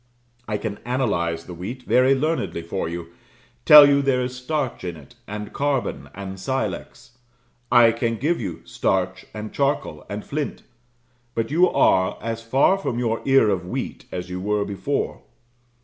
I can analyze the wheat very learnedly for you tell you there is starch in it, and carbon, and silex. I can give you starch, and charcoal, and flint; but you are as far from your ear of wheat as you were before.